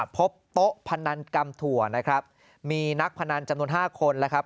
พบโต๊ะพนันกำถั่วนะครับมีนักพนันจำนวน๕คนแล้วครับ